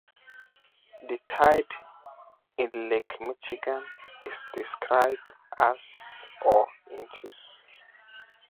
The tide in Lake Michigan is described as or inches.